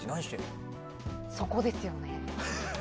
そこですよね。